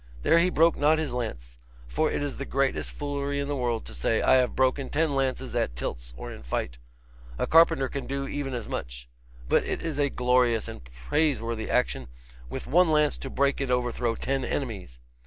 There he broke not his lance; for it is the greatest foolery in the world to say, I have broken ten lances at tilts or in fight. A carpenter can do even as much. But it is a glorious and praise worthy action with one lance to break and overthrow ten enemies.